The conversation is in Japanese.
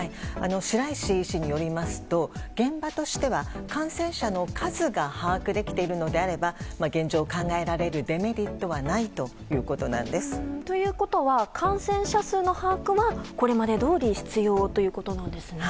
白石医師によりますと現場としては感染者の数が把握できているのであれば現状、考えられるデメリットはないということなんです。ということは感染者数の把握はこれまでどおり必要ということなんですね。